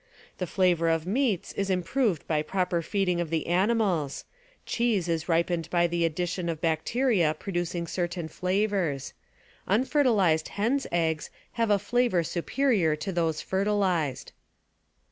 The flavor of meats is improved by proper feeding of the animals; cheese is ripened by the addition of bacteria producing certain flavors; unfertiHzed hens' eggs have a flavor superior to those fertihzed.